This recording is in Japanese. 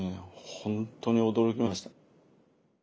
本当に驚きました。